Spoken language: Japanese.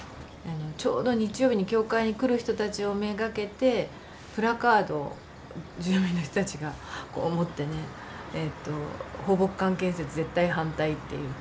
ちょうど日曜日に教会に来る人たちを目がけてプラカードを住民の人たちが持ってねえっと抱樸館建設絶対反対っていう。